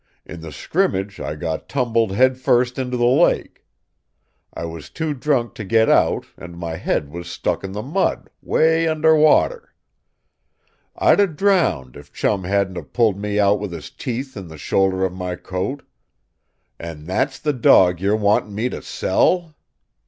In the scrimmage I got tumbled headfirst into the lake. I was too drunk to get out, and my head was stuck in the mud, 'way under water. I'd 'a' drowned if Chum hadn't of pulled me out with his teeth in the shoulder of my coat. And that's the dog you're wanting me to sell?"